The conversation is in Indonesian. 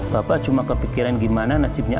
bapak cuma kepikiran gimana nasibnya